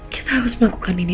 kita harus melakukan ini